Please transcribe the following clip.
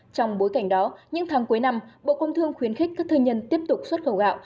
trong bối cảnh đó những tháng cuối năm bộ công thương khuyến khích các thư nhân tiếp tục xuất khẩu gạo